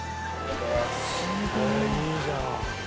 へえいいじゃん。